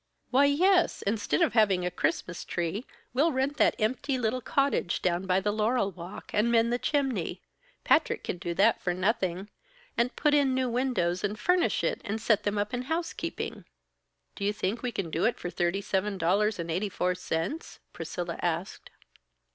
"Why, yes! Instead of having a Christmas tree, we'll rent that empty little cottage down by the laurel walk, and mend the chimney Patrick can do that for nothing and put in new windows, and furnish it, and set them up in housekeeping." "Do you think we can do it for thirty seven dollars and eighty four cents?" Priscilla asked.